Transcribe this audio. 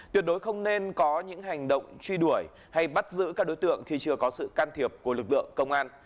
tuyệt đối không nên có những hành động truy đuổi hay bắt giữ các đối tượng khi chưa có sự can thiệp của lực lượng công an